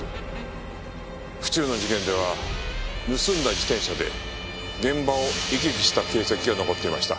府中の事件では盗んだ自転車で現場を行き来した形跡が残っていました。